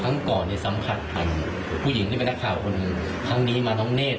อันนี้สำคัญผู้หญิงที่ไปได้ข่าวคุณครั้งนี้มาน้องเนธ